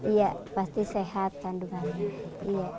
iya pasti sehat kandungannya